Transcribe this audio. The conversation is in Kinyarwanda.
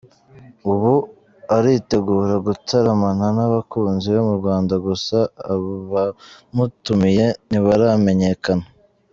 Ubu, aritegura gutaramana n’abakunzi be mu Rwanda gusa abamutumiye ntibaramenyekana.